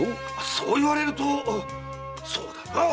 そう言われるとそうだなあ。